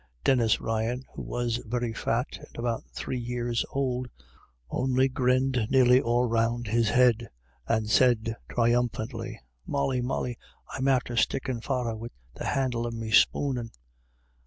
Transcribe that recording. Denis Ryan, who was very fat and about three years old, only grinned nearly all round his head, and said triumphantly : IC Molly, Molly — I'm after stickin' father wid the handle o' me spoo an."